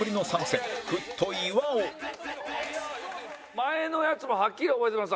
前のやつもはっきり覚えてます。